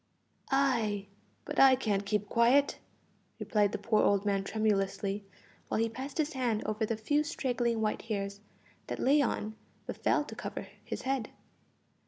"Ay, but I can't keep quiet," replied the poor old man tremulously, while he passed his hand over the few straggling white hairs that lay on but failed to cover his head.